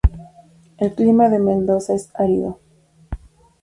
El clima de Mendoza es árido.